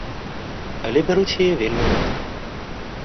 Але бяруць яе вельмі рэдка.